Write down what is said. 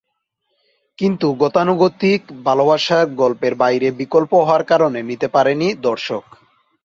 কিন্তু গতানুগতিক ভালোবাসার গল্পের বাইরে বিকল্প হওয়ার কারণে নিতে পারেনি দর্শক।